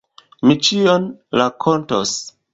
Mi ĉion rakontos!